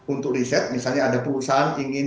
untuk riset misalnya ada perusahaan ingin